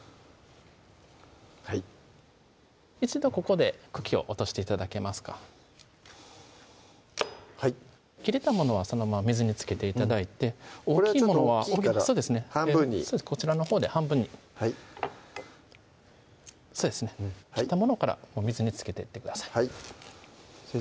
はい一度ここで茎を落として頂けますか切れたものはそのまま水につけて頂いてこれはちょっと大きいから半分にこちらのほうで半分にそうですね切ったものから水につけていってください先生